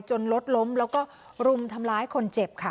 รถล้มแล้วก็รุมทำร้ายคนเจ็บค่ะ